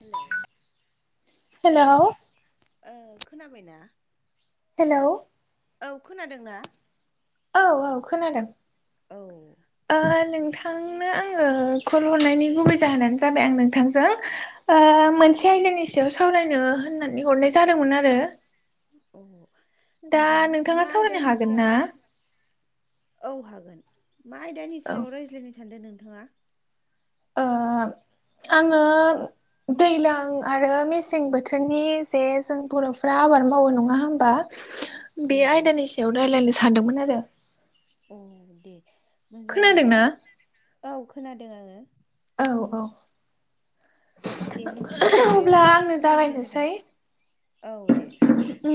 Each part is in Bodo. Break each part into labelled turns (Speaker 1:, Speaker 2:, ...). Speaker 1: हेलौ हेल'
Speaker 2: हेलौ
Speaker 1: ओ खोनाबायना?
Speaker 2: हेलौ
Speaker 1: औ खोनादोंना?
Speaker 2: औ औ खोनादों।
Speaker 1: औ।
Speaker 2: नोंथांनो आङो कल हरनायनि गुबै जाहोनानो जाबाय आं नोंथांजों मोनसे आयदानि सायाव सावरायनो होननानै हरनाय जादोंमोन आरो
Speaker 1: [inaudible]
Speaker 2: दा नोंथाङा
Speaker 1: मा
Speaker 2: सावरायनो
Speaker 1: आयदानि
Speaker 2: हागोन ना
Speaker 1: सायाव औ हागोन मा आयदानि
Speaker 2: औ
Speaker 1: सायाव रायज्लायनो सानदों नोंथाङा
Speaker 2: आङो दैज्लां आरो मेसें बोथोरनि जे जों बर'फ्रा आबाद मावो नङा होमबा बे
Speaker 1: नंगौ
Speaker 2: आयदानि सायाव रायलायनो सानदोंमोन आरो
Speaker 1: औ दे मोजाङै दा
Speaker 2: खोनादोंना
Speaker 1: औ खोनादों आङो
Speaker 2: औ औ
Speaker 1: दे नोंथाङा एसे
Speaker 2: अब्ला
Speaker 1: होनबा
Speaker 2: आंनो जागायनोसै
Speaker 1: फोरमायग्रोदोदाम औ दे
Speaker 2: उ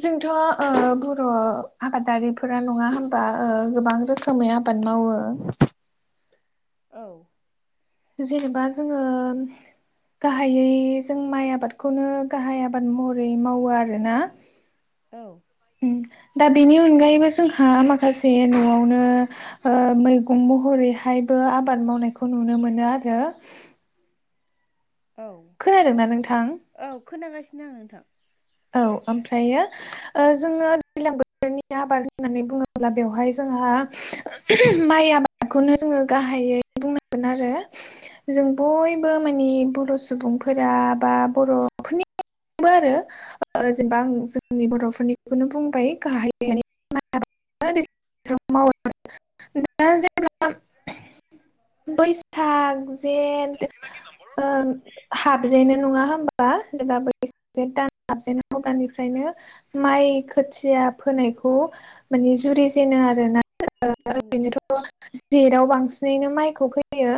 Speaker 2: जोंथ' ओ बर' आबादारिफोरा नङा होमबा ओ गोबां रोखो खोमै आबाद मावो।
Speaker 1: औ।
Speaker 2: जेनेबा जोङो। गाहायै जों माइ आबादखौनो गाहाय आबाद महरै मावो आरोना।
Speaker 1: औ।
Speaker 2: उम दा बेनि अनगायैबो जोंहा माखासे न'आवनो। ओ मैगं महरैहायबो आबाद मावनायखौ नुनो मोनो आरो।
Speaker 1: औ।
Speaker 2: खोनादोंना नोंथां?
Speaker 1: औ खोनागासिनो आं नोंथां।
Speaker 2: औ ओमफ्रायो। ओ जोङो दैलां बोथोरनि आबाद होननानै बुङोब्ला बेवहाय जोंहा माइ आबादखौनो जोङो गाहायै बुंनांगोन आरो। जों बयबो माने बर' सुबुंफोरा बा बर'फोरनि बो आरो। ओ जेनबा आं जोंनि बर'फोरनिखौनो बुंबाय गाहाय [inaudible] मावो दा जेब्ला [inaudible] बैसाग जेठ ओ हाबजेनो नङा होमबा जेब्ला बै दान। गाबजेनना हग्रानिफ्रायनो माइ खोथिया फोनायखौ। माने जुरि जेनो आरोना।
Speaker 1: नंगौ
Speaker 2: ओरैनोथ' [inaudible] जेदाव बांसिनैनो माइखौ फैयो।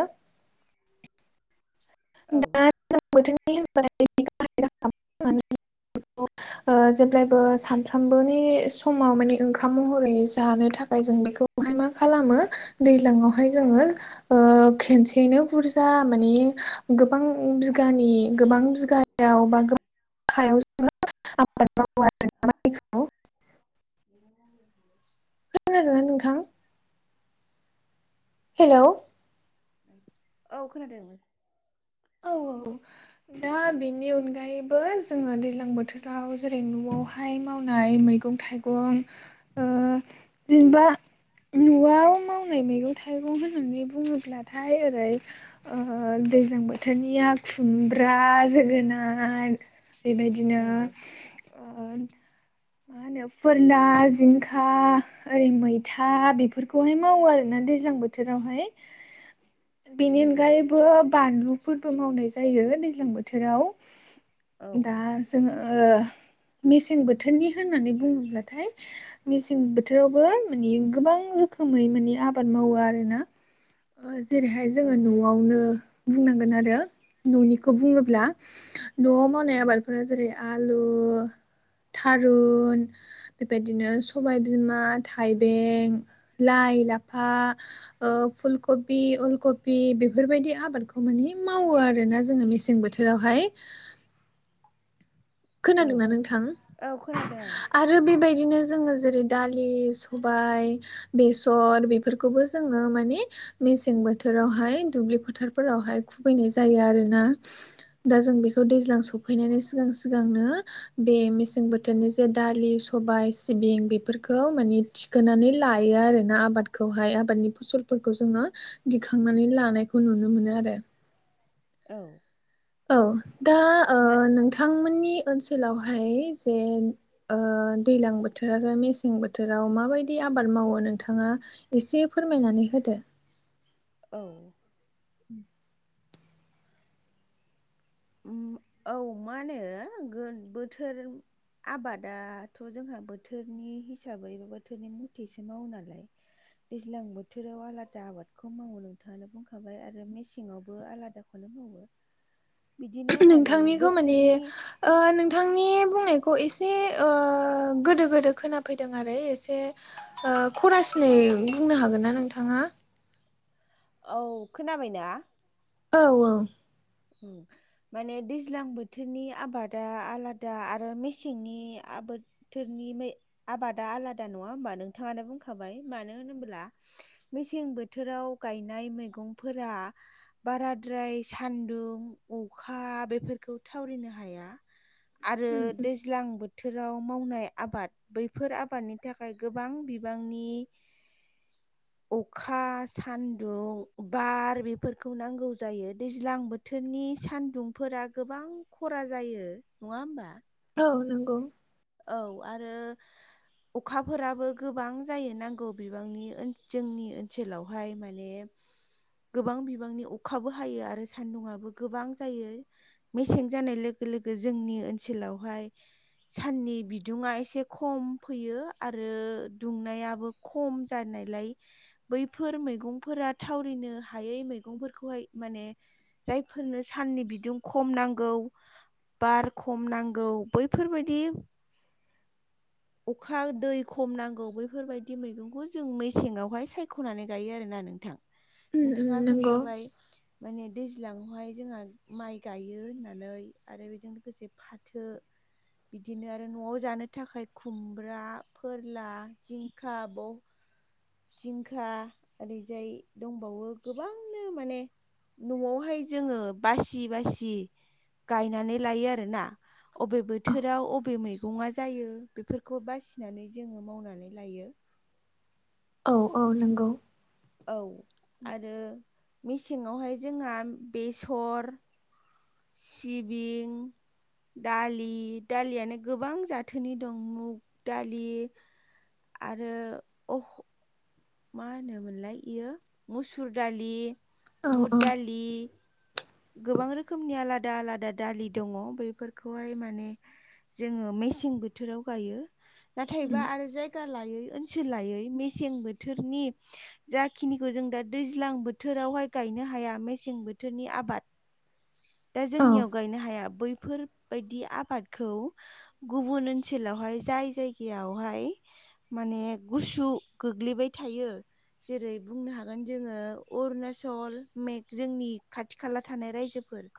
Speaker 1: औ
Speaker 2: दा गोजां बोथोरनि होनबाथाय। [inaudible] ओ जेब्लायबो सानफ्रामबोनि समाव माने ओंखाम महरै जानो थाखाय जों बेखौ। बेहाय मा खालामो दैलाङावहाय जोङो। ओ खेनसेयैनो बुरजा माने। गोबां बिगानि गोबां बिगायाव बा गोबां हायाव जोङो आबाद मावो आरो
Speaker 1: बिदिनो।
Speaker 2: खोनादोना नोंथां? हेलोउ।
Speaker 1: औ खोनादों।
Speaker 2: औ औ औ दा बेनि अनगायैबो जोङो दैज्लां बोथोर। आव जेरै न'वावहाय मावनाय मैगं थाइगं। ओ जेनबा। न'वाव मावनाय मैगं थाइगं होननानै बुङोब्लाथाय ओरै। ओह दैजां बो थोरनिया खुमब्रा जोगोनार बेबायदिनो।
Speaker 1: नंगौ
Speaker 2: ओ मा होनो फोरला जिंखा। ओरै मैथा बेफोरखौहाय मावो आरोना दैज्लां बोथोरावहाय। बेनि
Speaker 1: नंगौ
Speaker 2: अनगायैबो बानलुफोरबो मावनाय जायो दैज्लां बोथोराव।
Speaker 1: औ
Speaker 2: दा जोङो ओ मेसें बोथोरनि होननानै बुङोब्लाथाय। मेसें बोथोरावबो माने गोबां रोखोमै माने आबाद मावो आरोना ओ जेरैहाय जोङो
Speaker 1: औ
Speaker 2: न'वावनो बुंना गोन आरो न'निखौ बुङोब्ला न'वाव मावनाय
Speaker 1: उम,
Speaker 2: आबादफोरा जेरै आलु, थारुन बेबायदिनो सबाय बिमा, थाइबें, लाइ-लाफा ओ फुलकबि अलकबि बेफोरबायदि आबादखौ। माने मावो आरोना जोङो मेसें बोथोरावहाय।
Speaker 1: औ
Speaker 2: खोनादोंना नोंथां
Speaker 1: औ खोनादों आं
Speaker 2: आरो बेबायदिनो जोङो जेरै दालि सबाय बेसर बेफोरखौबो जोङो माने मेसें बोथोरावहाय दुब्लि फोथारफोरावहाय खुबैनाय जायो आरोना दा जों बेखौ दैज्लां सफैनानै सिगां सिगांनो बे मेसें बोथोरनि जे दालि सबाय, सिबिं बेफोरखौ मानि थिखोनानै लायो आरोना आबादखौहाय आबादनि फसलफोरखौ जोङो दिखांनानै लानायखौ नुनो मोनो आरो
Speaker 1: औ
Speaker 2: औ दा ओ
Speaker 1: मा
Speaker 2: नोंथांमोननि ओनसोलावहाय जे ओ दैलां बोथोर आरो मेसें बोथोराव माबायदि आबाद मावो नोंथाङा एसे फोरमायनानै होदो
Speaker 1: औ
Speaker 2: उम
Speaker 1: उ औ मा होनो बोथोर आबादाथ' जोंहा बोथोरनि हिसाबै बोथोरनि मथिसो मावो नालाय दैज्लां बोथोराव आलादा आबादखौ मावो नोंथाङा बुंखाबाय आरो मेसेंयावबो आलादा खौनो मावो बिदिनो माने
Speaker 2: नोंथांनिखौ माने
Speaker 1: बोथोरनि
Speaker 2: ओ नोंथांनि बुंनायखौ एसे ओ गोदो गोदो खोनाफैदों आरो एसे ओ खरसिनै बुंनो हागोन ना नोंथाङा।
Speaker 1: औ खोनाबायना
Speaker 2: औ औ
Speaker 1: उ माने दैज्लां बोथोरनि आबादा आलादा आरो मेसेंनि आबाद थोरनि आबादा आलादा नङा होमबा नोंथाङानो बुंखाबाय मानो होनोब्ला मेसें बोथोराव गायनाय मैगंफोरा बाराद्राय सान दुं अखा बेफोरखौ थावरिनो हाया आरो
Speaker 2: उम उम
Speaker 1: दैज्लां बो थोराव मावनाय आबाद बैफोर आबादनि थाखाय गोबां बिबांनि
Speaker 2: [inaudible]
Speaker 1: अखा, सान्दुं, बार बेफोरखौ नांगौ जायो दैज्लां बो थोरनि सान्दुंफोरा गोबां खरा जायो नङा होमबा?
Speaker 2: औ नंगौ
Speaker 1: औ आरो अखाफोराबो गोबां जायो नांगौ बिबांनि ओ जोंनि ओनसोलाव बेहाय माने गोबां बिबांनि अखाबो हायो आरो सान्दुुंआबो गोबां जायो। मेसें जानाय लोगो लोगो जोंनि ओनसोलावहाय साननि बिदुङा एसे खम फैयो आरो दुंनायाबो खम जानायलाय बैफोर मैगंफोरा थावरिनो हायै मैगंफोरखौहाय माने जायफोरनो साननि बिदुं खम नांगौ बार खम नांगौ बैफोरबायदि अखा दै खम नांगौ बैफोरबायदि मैगंखौ जों मेसेंयावहाय सायख'नानै गायो आरोना नोंथां।
Speaker 2: उम उम
Speaker 1: नोंथाङा
Speaker 2: नंगौ
Speaker 1: खोन्थाबाय माने दैज्लांयावहाय जोंहा माइ गायो होननानै आरो बेजों लोगोसे फाथो बिदिनो आरो न'आव जानो थाखाय खुमब्रा फोरला जिंखा ब दिंखा ओरैजाय दंबावो गोबांनो माने न'आवहाय जोङो बासि बासि गायनानै लायो आरोना। अबे बोथोराव अबे मैगं ङा जायो बेफोरखौ बासिनानै जोङो मावनानै लायो।
Speaker 2: औ औ नोंगौ
Speaker 1: औ आरो मेसेङावहाय जोंहा बेसर सिबिं दालि दालियानो गोबां जाथोनि दं मुग दालि। आरो अ मा होनोमोनलाय इयो मुसुर दालि
Speaker 2: औ औ
Speaker 1: बुट दालि गोबां रोखोमनि आलादा आलादा दालि दङ बेैफोरखौहाय माने जोङो मेसें बोथोराव गायो
Speaker 2: उम
Speaker 1: नाथायबा आरो जाय गा लायै ओनसोल लायै मेसें बोथोरनि जाखिनिखौ जों दा दैज्लां बोथोरावहाय गायनो हाया मेसें बोथोरनि आबाद। दा
Speaker 2: औ
Speaker 1: जोंनियाव गायनो हाया बैफोर बायदि आबादखौ गुबुन ओनसोलावहाय जाय जायगायावहाय माने गुसु गोग्लैबाय थायो। जेरै बुंनो हागोन जोङो अरुणचल मेग जोंनि खाथि खाला थानाय रायजोफोर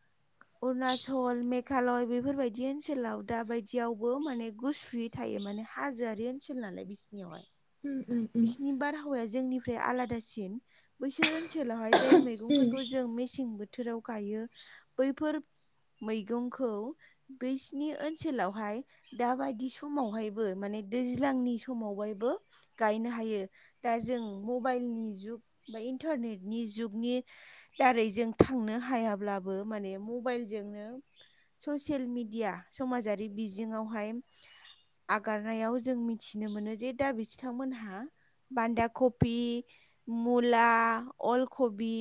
Speaker 2: [inaudible]
Speaker 1: अरुणाचल मेघालय बेफोरबायदि ओनसोलाव दा बायदियावबो माने गुसु थायो माने हाजोआरि ओनसोल नालाय बिसिनियावहाय
Speaker 2: उम उम
Speaker 1: बिसिनि बारहावाया जोंनिफ्राय आलादासिन बैसोर ओनसोलावहाय जाय
Speaker 2: उम
Speaker 1: मैगंफोरखौ जों मेसें बोथोराव गायो बैफोर मैगंखौ बिसिनि ओनसोलावहाय दाबायदि समावहायबो माने दैज्लांनि समावहायबो गायनो हायो दा जों मबाइलनि जुग बा इन्टारनेटनि जुगनि दारै जों थांनो हायाब्लाबो माने मबेइलजोंनो ससियेल मिडिया समाजारि बिजोङावहाय आगारनायाव जों मिथिनो मोनो जे दा बि फिथांमोनहा बान्दा कफि मुला अलखबि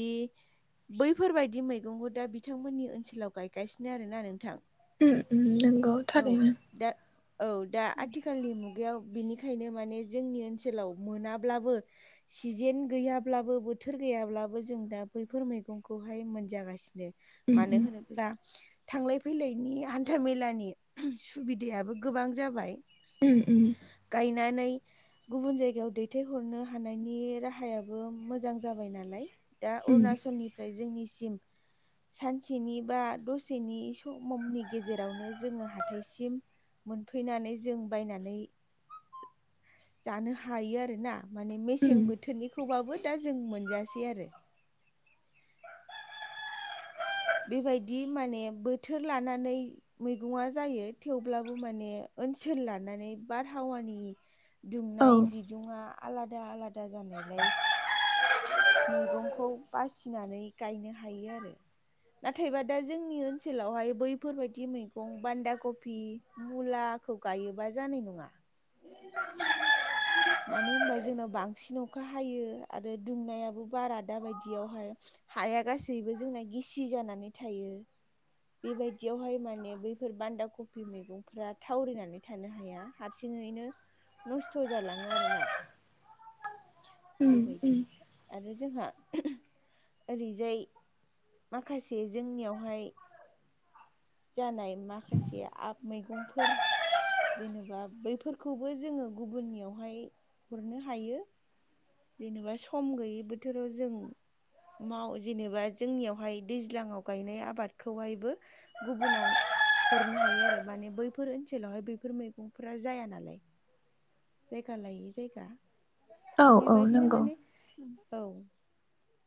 Speaker 1: बैफोरबायदि मैगंखौ दा बिथांमोननि ओनसोलाव गायगासिनो आरोना नोंथां।
Speaker 2: उम उम नंगौ
Speaker 1: औ
Speaker 2: थारैनो
Speaker 1: दा औ दा आथिखालनि मुगायाव बिनिखायनो माने जोंनि ओनसोलाव मोनाब्लाबो सिजेन गैयाब्लाबो बोथोर गैयाब्लाबो जों दा बैफोर मैगंखौहाय मोनजागासिनो।
Speaker 2: उम
Speaker 1: मानो
Speaker 2: उम
Speaker 1: होनोब्ला थांलाय फैलायनि हान्था मेलानि सुबिदायाबो गोबां जाबाय।
Speaker 2: उम उम
Speaker 1: गायनानै गुबुन जायगायाव दैथायहरनो हानायनि राहायाबो मोजां जाबाय नालाय। दा
Speaker 2: उम
Speaker 1: अरुणाचलनिफ्राय जोंनिसिम सानसेनि बा दसेनि समनि गेजेरावनो जोङो हाथायसिम मोनफैनानै जों बायनानै जानो हायो आरोना माने
Speaker 2: उम
Speaker 1: मेसें बोथोरनिखौबाबो दा जों मोनजासै आरो बेबायदि माने बोथोर लानानै मैगङा जायो थेवब्लाबो माने ओनसोल लानानै बारहावानि
Speaker 2: औ
Speaker 1: दुमनाय बिदुङा आलादा आलादा जानायलाय मैगंखौ बासिनानै गायनो हायो आरो नाथायबा दा जोंनि ओनसोलावहाय बैफोरबायदि मैगं बान्दा कफि मुलाखौ गायोबा जानाय नङा मानो होनबा जोंनाव बांसिन अखा हायो आरो दुंनायाबो बारा दााबायदियावहाय हाया गासैबो जोंना गिसि जानानै थायो बेबायदियावहाय माने बैफोर बान्दा कफि मैगंफ्रा थावरिनानै थानो हाया हारसिङैनो नस्थ' जालाङो आरो ना
Speaker 2: उम उम
Speaker 1: बेबायदि आरो जोंहा ओरैजाय माखासे जोंनियावहाय जानाय माखासे आब मैगंफोर जेनेबा बैफोरखौबो जोङो गुबुननियावहाय हरनो हायो जेनेबा सम गैयि बोथोराव जों माव जेनेबा जोंनियावहाय दैज्लाङाव गायनाय आबादखौहायबो गुबुनाव हरनो हायो आरो माने बैफोर ओनसोलावहाय बैफोर मैगंफोरा जाया नालाय जायगा लायै जायगा
Speaker 2: औ औ
Speaker 1: बेबायदिनो
Speaker 2: नंगौ
Speaker 1: माने औ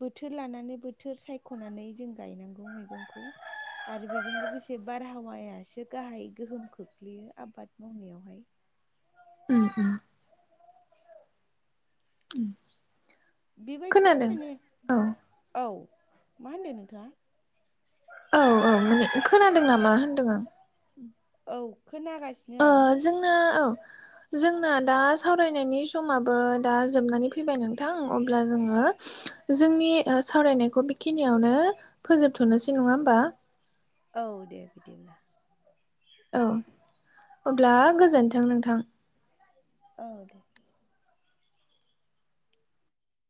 Speaker 1: बोथोर लानानै बोथोर सायख'नानै जों गायनांगौ मैगंखौ आरो बेजों लोगोसे बारहावाया एसे गाहाय गोहोम खोख्लैयो आबाद मावनायावहाय
Speaker 2: उम उम
Speaker 1: बेबायदिनो
Speaker 2: खोनादों
Speaker 1: माने
Speaker 2: औ
Speaker 1: औ मा होनदों नोंथाङा
Speaker 2: औ माने खोनादों नामा होन्दों आं
Speaker 1: औ खोनागासिनो आं
Speaker 2: ओ जोंना औ जोंना दा सावरायनायनि समाबो दा जोबनानै फैबाय नोंथां अब्ला जोङो जोंनि सावरायनायखौ बेखिनियावनो फोजोबथ'नोसै नङा होमबा
Speaker 1: औ दे बिदिब्ला
Speaker 2: औ अब्ला गोजोन्थों नोंथां
Speaker 1: औ दे